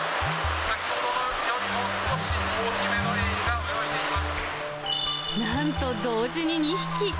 先ほどのよりも、少し大きめのエなんと同時に２匹。